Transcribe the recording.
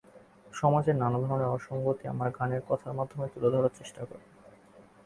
সমাজের নানা ধরনের অসংগতি আমার গানের কথার মাধ্যমে তুলে ধরার চেষ্টা করি।